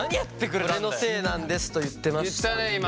「俺のせいなんです」と言ってましたんで。